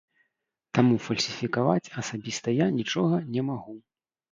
Таму фальсіфікаваць асабіста я нічога не магу.